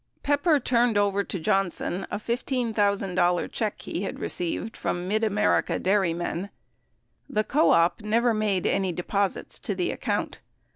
Pepper turned over to Johnson a $15,000 check he had received from Mid America Dairymen. The co op never made any deposits to the account.